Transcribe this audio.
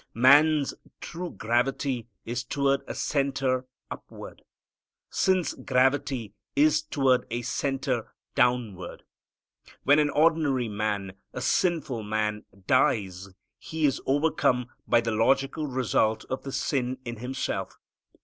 Man's true gravity is toward a center upward. Sin's gravity is toward a center downward. When an ordinary man, a sinful man, dies, he is overcome by the logical result of the sin in himself.